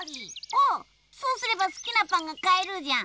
あっそうすればすきなパンがかえるじゃん。